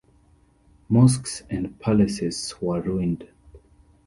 Mosques and palaces were ruined.